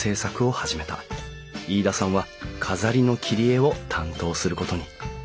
飯田さんは飾りの切り絵を担当することに。